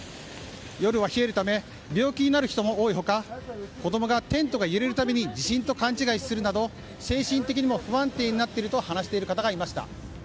夜は冷えるため病気になる人も多い他子供がテントが揺れるたびに地震と勘違いするなど精神的にも不安定になっていると話している方がいました。